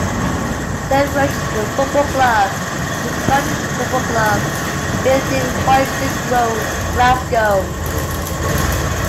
Saint Roch's Football Club is a Scottish football club, based in Royston Road, Glasgow.